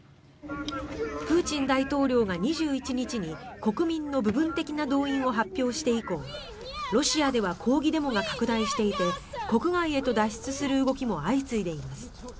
プーチン大統領が２１日に国民の部分的な動員を発表して以降、ロシアでは抗議デモが拡大していて国外へと脱出する動きも相次いでいます。